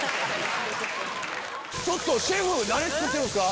ちょっとシェフ何作ってるんすか？